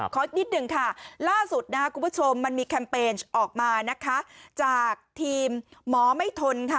อีกนิดหนึ่งค่ะล่าสุดนะครับคุณผู้ชมมันมีแคมเปญออกมานะคะจากทีมหมอไม่ทนค่ะ